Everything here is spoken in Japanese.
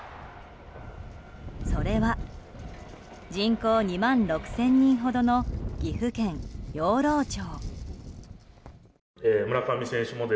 それは人口２万６０００人ほどの岐阜県養老町。